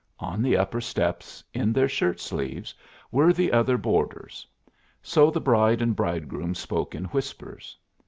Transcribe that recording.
On the upper steps, in their shirt sleeves, were the other boarders; so the bride and bridegroom spoke in whispers.